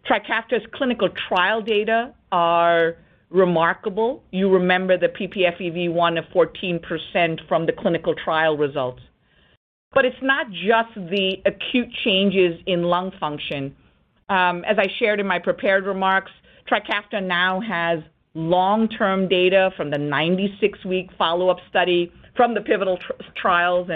TRIKAFTA's clinical trial data are remarkable. You remember the ppFEV1 of 14% from the clinical trial results. It's not just the acute changes in lung function. As I shared in my prepared remarks, TRIKAFTA now has long-term data from the 96-week follow-up study from the pivotal trials.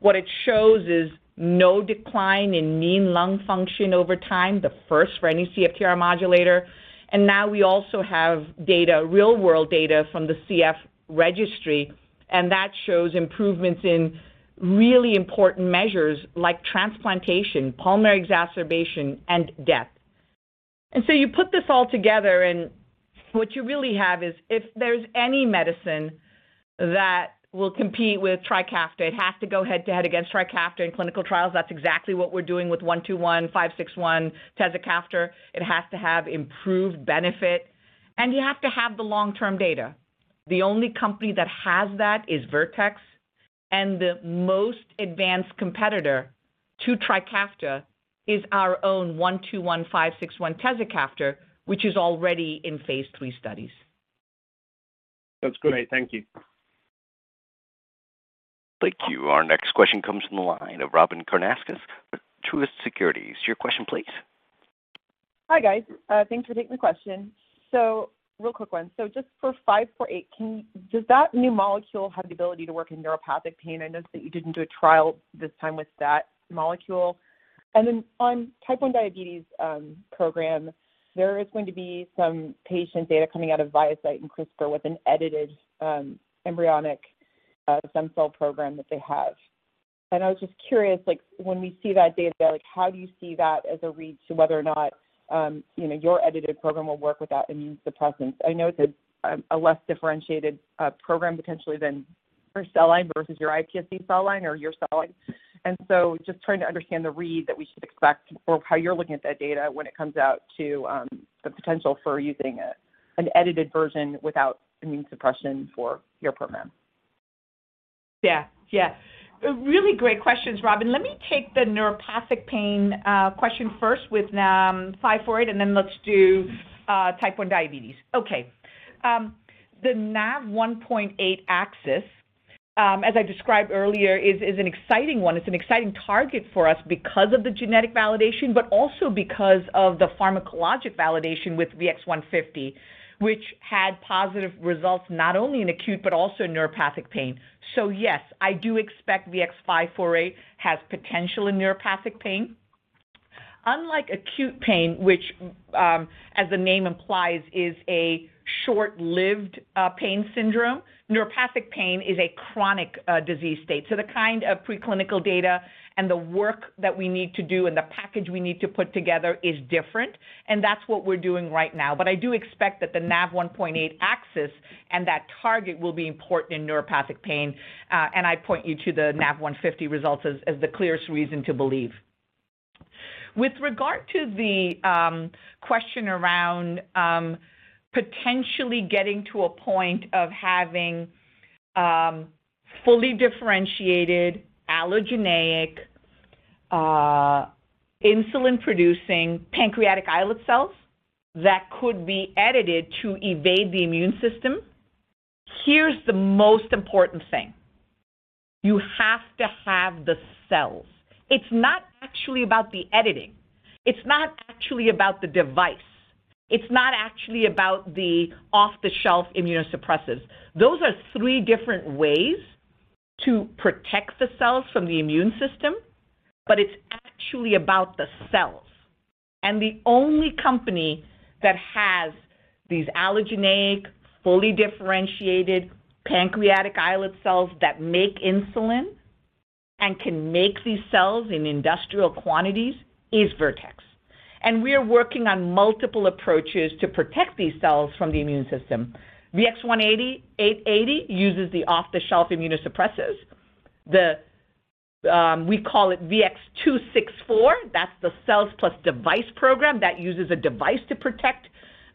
What it shows is no decline in mean lung function over time, the first for any CFTR modulator. Now we also have data, real-world data from the CF registry, and that shows improvements in really important measures like transplantation, pulmonary exacerbation, and death. You put this all together, and what you really have is if there's any medicine that will compete with TRIKAFTA, it has to go head-to-head against TRIKAFTA in clinical trials. That's exactly what we're doing with VX-121, VX-561, tezacaftor. It has to have improved benefit, and you have to have the long-term data. The only company that has that is Vertex, and the most advanced competitor to TRIKAFTA is our own VX-121, VX-561, tezacaftor, which is already in phase III studies. Sounds great. Thank you. Thank you. Our next question comes from the line of Robyn Karnauskas with Truist Securities. Your question please. Hi, guys. Thanks for taking the question. Real quick one. Just for VX-548, does that new molecule have the ability to work in neuropathic pain? I noticed that you didn't do a trial this time with that molecule. Then on type 1 diabetes program, there is going to be some patient data coming out of ViaCyte and CRISPR with an edited embryonic stem cell program that they have. I was just curious, like when we see that data, like how do you see that as a read-through to whether or not, you know, your edited program will work without immune suppressants? I know it's a less differentiated program potentially than their cell line versus your iPSC cell line or your cell line. Just trying to understand the read that we should expect or how you're looking at that data when it comes out to the potential for using an edited version without immune suppression for your program. Really great questions, Robyn. Let me take the neuropathic pain question first with VX-548, and then let's do type 1 diabetes. Okay. The NaV1.8 axis, as I described earlier, is an exciting one. It's an exciting target for us because of the genetic validation, but also because of the pharmacologic validation with VX-150, which had positive results not only in acute but also in neuropathic pain. Yes, I do expect VX-548 has potential in neuropathic pain. Unlike acute pain, which, as the name implies, is a short-lived pain syndrome, neuropathic pain is a chronic disease state. The kind of preclinical data and the work that we need to do and the package we need to put together is different, and that's what we're doing right now. I do expect that the NaV1.8 axis and that target will be important in neuropathic pain. I point you to the VX-150 results as the clearest reason to believe. With regard to the question around potentially getting to a point of having fully differentiated allogeneic insulin-producing pancreatic islet cells that could be edited to evade the immune system, here's the most important thing. You have to have the cells. It's not actually about the editing. It's not actually about the device. It's not actually about the off-the-shelf immunosuppressants. Those are three different ways to protect the cells from the immune system, but it's actually about the cells. The only company that has these allogeneic, fully differentiated pancreatic islet cells that make insulin and can make these cells in industrial quantities is Vertex. We are working on multiple approaches to protect these cells from the immune system. VX-880 uses the off-the-shelf immunosuppressants. We call it VX-264, that's the cells plus device program that uses a device to protect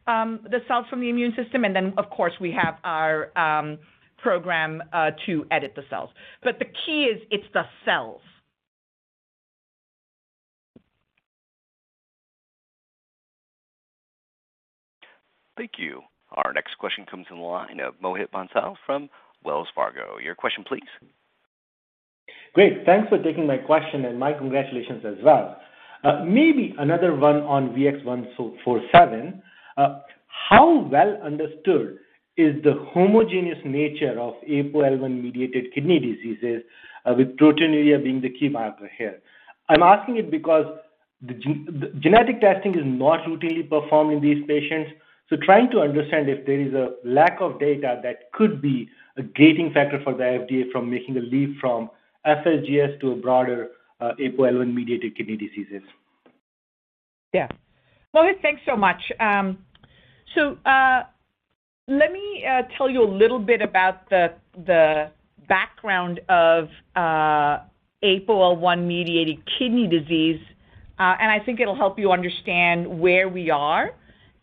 the cells from the immune system. Then, of course, we have our program to edit the cells. But the key is it's the cells. Thank you. Our next question comes in the line of Mohit Bansal from Wells Fargo. Your question please. Great. Thanks for taking my question, and my congratulations as well. Maybe another one on VX-147. How well-understood is the homogeneous nature of APOL1-mediated kidney diseases, with proteinuria being the key marker here? I'm asking it because the genetic testing is not routinely performed in these patients, so trying to understand if there is a lack of data that could be a gating factor for the FDA from making a leap from FSGS to a broader, APOL1-mediated kidney diseases. Mohit, thanks so much. Let me tell you a little bit about the background of APOL1-mediated kidney disease, and I think it'll help you understand where we are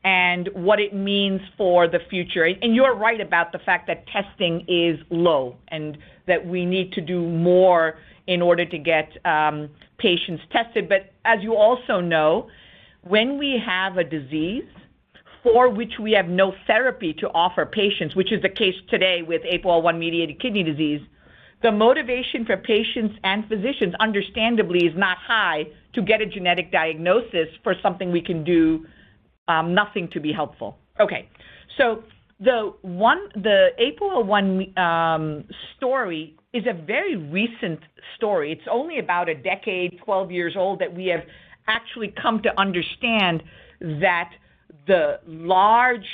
and what it means for the future. You're right about the fact that testing is low and that we need to do more in order to get patients tested. As you also know, when we have a disease for which we have no therapy to offer patients, which is the case today with APOL1-mediated kidney disease, the motivation for patients and physicians understandably is not high to get a genetic diagnosis for something we can do nothing to be helpful. Okay. The APOL1 story is a very recent story. It's only about a decade, 12 years old, that we have actually come to understand that the large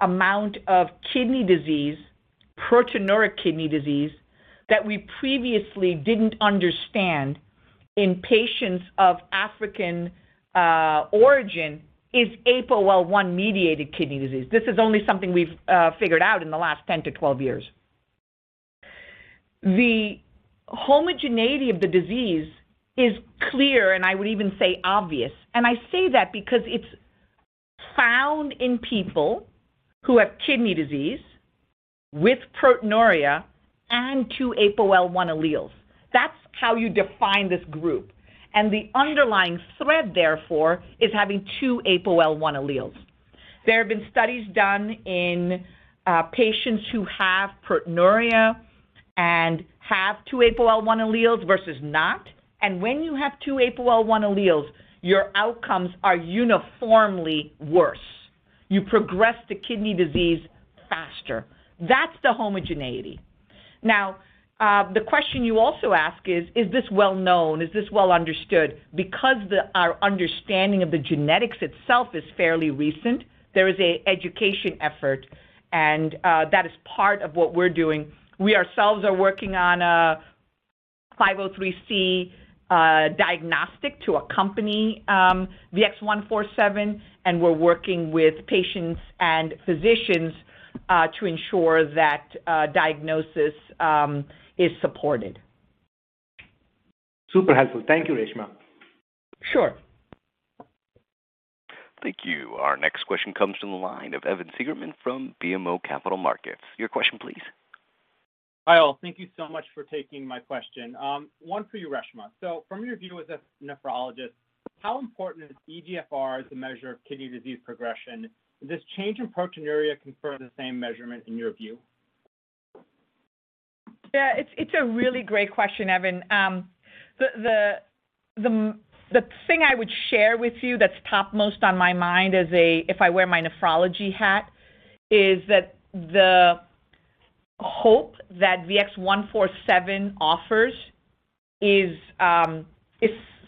amount of kidney disease, proteinuria kidney disease that we previously didn't understand in patients of African origin is APOL1-mediated kidney disease. This is only something we've figured out in the last 10-12 years. The homogeneity of the disease is clear, and I would even say obvious. I say that because it's found in people who have kidney disease with proteinuria and two APOL1 alleles. That's how you define this group. The underlying thread, therefore, is having two APOL1 alleles. There have been studies done in patients who have proteinuria and have two APOL1 alleles versus not, and when you have two APOL1 alleles, your outcomes are uniformly worse. You progress the kidney disease faster. That's the homogeneity. Now, the question you also ask is this well-known? Is this well-understood? Because our understanding of the genetics itself is fairly recent, there is an education effort, and that is part of what we're doing. We ourselves are working on a 503C diagnostic to accompany VX-147, and we're working with patients and physicians to ensure that diagnosis is supported. Super helpful. Thank you, Reshma. Sure. Thank you. Our next question comes from the line of Evan Seigerman from BMO Capital Markets. Your question please. Hi, all. Thank you so much for taking my question. One for you, Reshma. From your view as a nephrologist, how important is eGFR as a measure of kidney disease progression? Does change in proteinuria confirm the same measurement in your view? It's a really great question, Evan. The thing I would share with you that's topmost on my mind if I wear my nephrology hat is that the hope that VX-147 offers is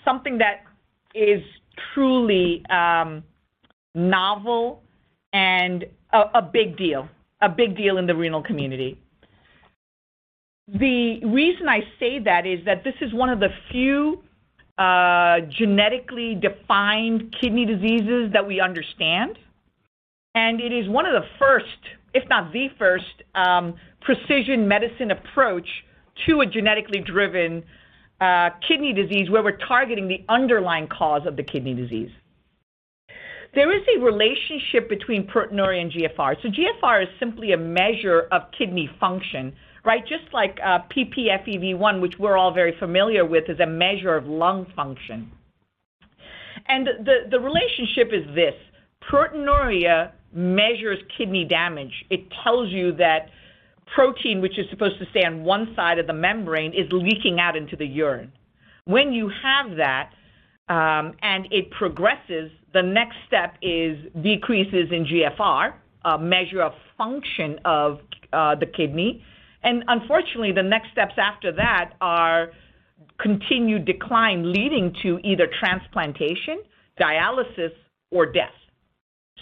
something that is truly novel and a big deal in the renal community. The reason I say that is that this is one of the few genetically defined kidney diseases that we understand. It is one of the first, if not the first, precision medicine approach to a genetically driven kidney disease where we're targeting the underlying cause of the kidney disease. There is a relationship between proteinuria and GFR. So GFR is simply a measure of kidney function, right? Just like ppFEV1, which we're all very familiar with, is a measure of lung function. The relationship is this, proteinuria measures kidney damage. It tells you that protein, which is supposed to stay on one side of the membrane, is leaking out into the urine. When you have that and it progresses, the next step is decreases in GFR, a measure of function of the kidney. Unfortunately, the next steps after that are continued decline, leading to either transplantation, dialysis, or death.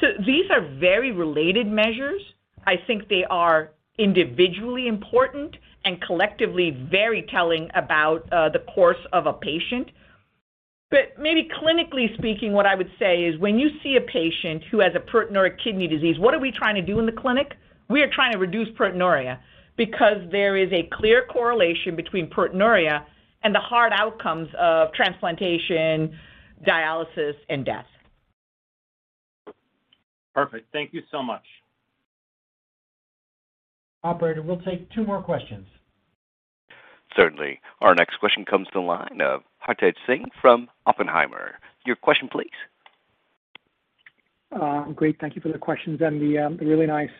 These are very related measures. I think they are individually important and collectively very telling about the course of a patient. Maybe clinically speaking, what I would say is when you see a patient who has a proteinuria kidney disease, what are we trying to do in the clinic? We are trying to reduce proteinuria because there is a clear correlation between proteinuria and the hard outcomes of transplantation, dialysis, and death. Perfect. Thank you so much. Operator, we'll take two more questions. Certainly. Our next question comes to the line of Hartaj Singh from Oppenheimer. Your question please. Great. Thank you for the questions and the really nice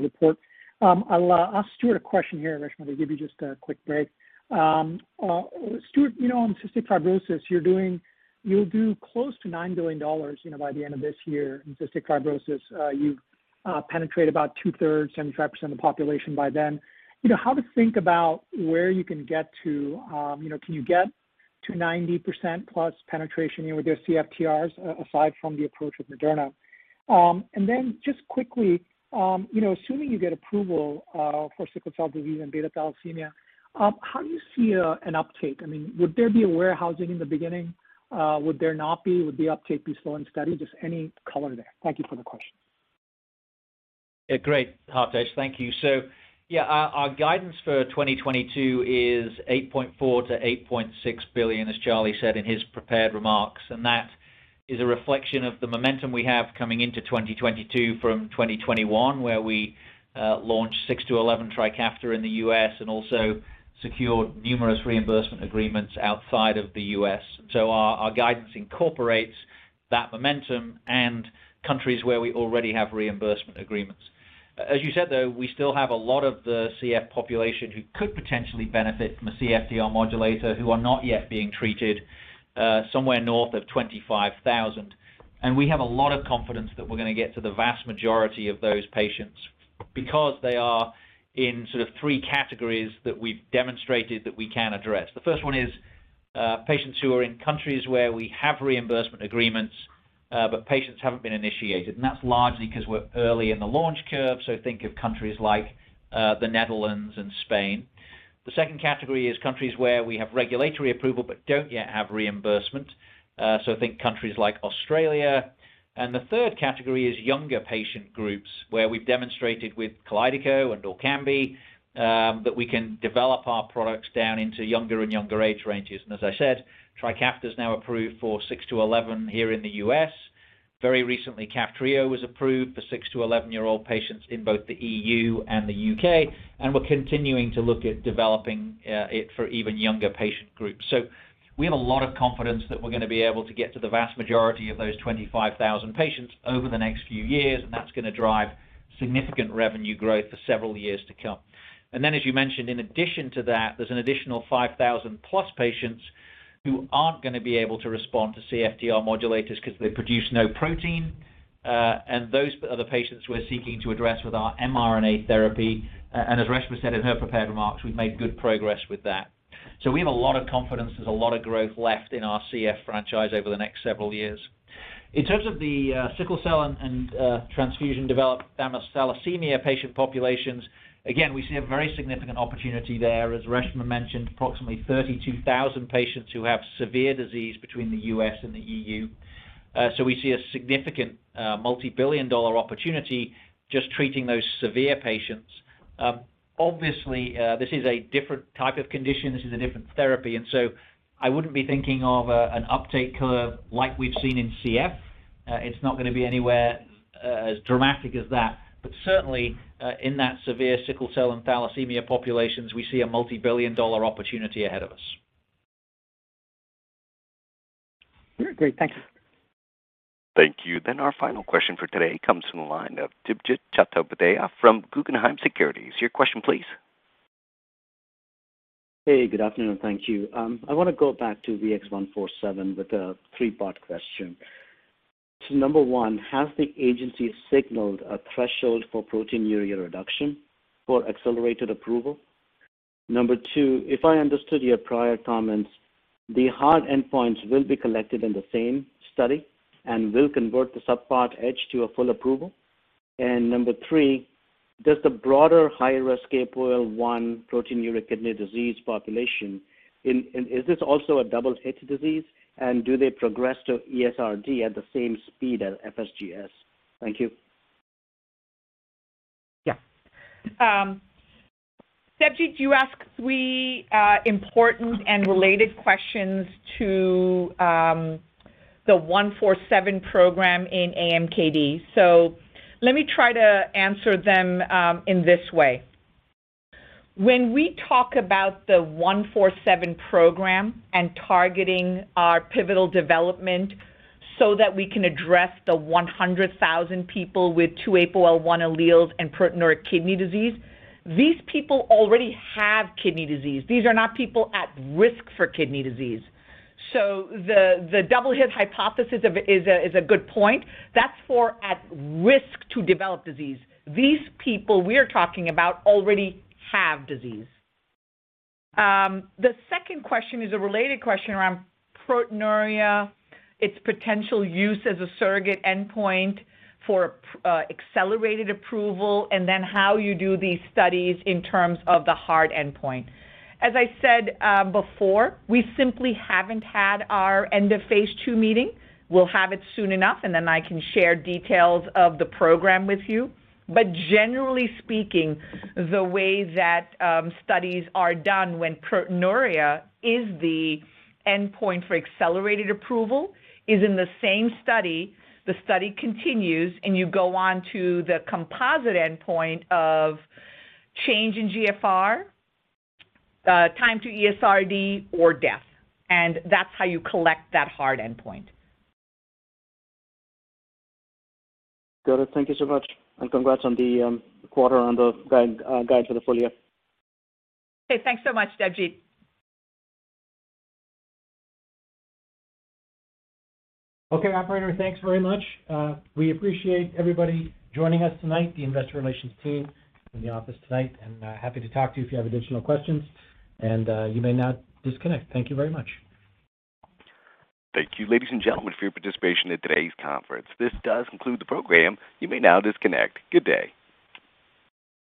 report. I'll ask Stuart a question here, Reshma, to give you just a quick break. Stuart, you know, in cystic fibrosis, you'll do close to $9 billion, you know, by the end of this year in cystic fibrosis. You've penetrated about two-thirds, 75% of the population by then. How to think about where you can get to, you know, can you get to 90%+ penetration, you know, with your CFTRs, aside from the approach with Moderna? Then just quickly, you know, assuming you get approval for sickle cell disease and beta-thalassemia, how do you see an uptake? I mean, would there be a warehousing in the beginning? Would there not be? Would the uptake be slow and steady? Just any color there. Thank you for the question. Yeah. Great, Hartaj. Thank you. Our guidance for 2022 is $8.4 billion-$8.6 billion, as Charlie said in his prepared remarks. That is a reflection of the momentum we have coming into 2022 from 2021, where we launched six-to-eleven TRIKAFTA in the U.S. and also secured numerous reimbursement agreements outside of the U.S. Our guidance incorporates that momentum and countries where we already have reimbursement agreements. As you said, though, we still have a lot of the CF population who could potentially benefit from a CFTR modulator who are not yet being treated, somewhere north of 25,000. We have a lot of confidence that we're gonna get to the vast majority of those patients because they are in sort of three categories that we've demonstrated that we can address. The first one is patients who are in countries where we have reimbursement agreements, but patients haven't been initiated, and that's largely 'cause we're early in the launch curve. Think of countries like the Netherlands and Spain. The second category is countries where we have regulatory approval but don't yet have reimbursement, so think countries like Australia. The third category is younger patient groups, where we've demonstrated with KALYDECO and ORKAMBI that we can develop our products down into younger and younger age ranges. As I said, TRIKAFTA is now approved for six to 11 here in the U.S. Very recently, KAFTRIO was approved for six-to-11-year-old patients in both the E.U. and the U.K., and we're continuing to look at developing it for even younger patient groups. We have a lot of confidence that we're gonna be able to get to the vast majority of those 25,000 patients over the next few years, and that's gonna drive significant revenue growth for several years to come. Then, as you mentioned, in addition to that, there's an additional 5,000+ patients who aren't gonna be able to respond to CFTR modulators 'cause they produce no protein, and those are the patients we're seeking to address with our mRNA therapy. And as Reshma said in her prepared remarks, we've made good progress with that. We have a lot of confidence there's a lot of growth left in our CF franchise over the next several years. In terms of the sickle cell and transfusion-dependent thalassemia patient populations, again, we see a very significant opportunity there, as Reshma mentioned, approximately 32,000 patients who have severe disease between the U.S. and the EU. We see a significant multibillion-dollar opportunity just treating those severe patients. Obviously, this is a different type of condition. This is a different therapy. I wouldn't be thinking of an uptake curve like we've seen in CF. It's not gonna be anywhere as dramatic as that. Certainly, in that severe sickle cell and thalassemia populations, we see a multibillion-dollar opportunity ahead of us. Great. Thank you. Thank you. Our final question for today comes from the line of Debjit Chattopadhyay from Guggenheim Securities. Your question, please. Hey, good afternoon. Thank you. I wanna go back to VX-147 with a three-part question. Number one, has the agency signaled a threshold for proteinuria reduction for accelerated approval? Number two, if I understood your prior comments, the hard endpoints will be collected in the same study and will convert the Subpart H to a full approval. Number three. Does the broader higher risk APOL1 proteinuric kidney disease population, and is this also a double hit disease? Do they progress to ESRD at the same speed as FSGS? Thank you. Debjit, you ask three important and related questions to the VX-147 program in AMKD. Let me try to answer them in this way. When we talk about the VX-147 program and targeting our pivotal development so that we can address the 100,000 people with two APOL1 alleles and proteinuria kidney disease, these people already have kidney disease. These are not people at risk for kidney disease. The double hit hypothesis of it is a good point. That's for at risk to develop disease. These people we're talking about already have disease. The second question is a related question around proteinuria, its potential use as a surrogate endpoint for accelerated approval, and then how you do these studies in terms of the hard endpoint. As I said, before, we simply haven't had our end of phase II meeting. We'll have it soon enough, and then I can share details of the program with you. Generally speaking, the way that studies are done when proteinuria is the endpoint for accelerated approval is in the same study, the study continues, and you go on to the composite endpoint of change in GFR, time to ESRD or death. That's how you collect that hard endpoint. Got it. Thank you so much, and congrats on the quarter and the guide for the full year. Okay, thanks so much, Debjit. Okay. Operator, thanks very much. We appreciate everybody joining us tonight, the investor relations team in the office tonight, and happy to talk to you if you have additional questions and you may now disconnect. Thank you very much. Thank you, ladies and gentlemen, for your participation in today's conference. This does conclude the program. You may now disconnect. Good day.